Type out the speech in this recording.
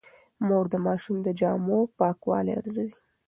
مور د ماشوم د جامو پاکوالی ارزوي.